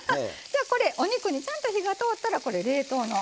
じゃあこれお肉にちゃんと火が通ったらこれ冷凍の。